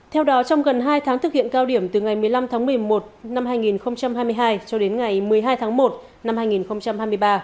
theo đó trong gần hai tháng thực hiện cao điểm từ ngày một mươi năm tháng một mươi một năm hai nghìn hai mươi hai cho đến ngày một mươi hai tháng một năm hai nghìn hai mươi ba